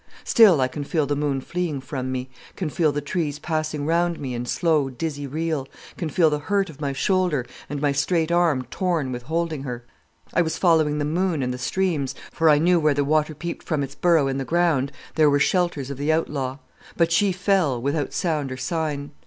Still, I can feel the moon fleeing from me, can feel the trees passing round me in slow dizzy reel, can feel the hurt of my shoulder and my straight arm torn with holding her. I was following the moon and the stream, for I knew where the water peeped from its burrow in the ground there were shelters of the outlaw. But she fell, without sound or sign.